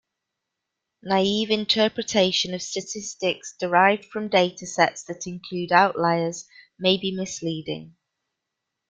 Naive interpretation of statistics derived from data sets that include outliers may be misleading.